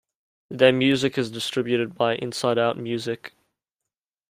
Their music is distributed by Inside Out Music.